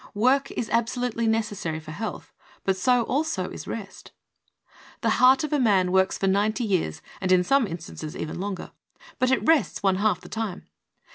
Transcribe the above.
Work is absolutely necessary for health, but so also is rest. The heart of man works for ninety years and in some instances even longer, but it rests one half the time.